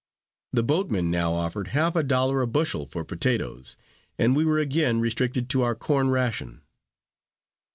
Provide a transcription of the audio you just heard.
The boatmen now offered half a dollar a bushel for potatoes, and we were again restricted to our corn ration.